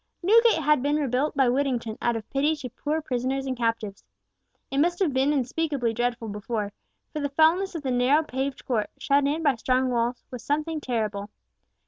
Newgate had been rebuilt by Whittington out of pity to poor prisoners and captives. It must have been unspeakably dreadful before, for the foulness of the narrow paved court, shut in by strong walls, was something terrible.